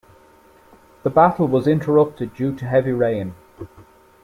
The battle was interrupted due to heavy rain.